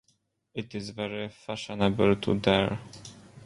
It is very fashionable to dare.